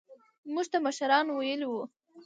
موږ ته مشرانو ويلي وو.